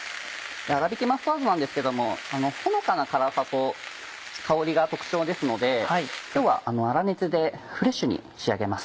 あらびきマスタードなんですけどもほのかな辛さと香りが特徴ですので今日は粗熱でフレッシュに仕上げます。